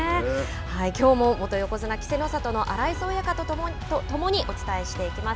きょうも元横綱・稀勢の里の荒磯親方と共にお伝えしていきます。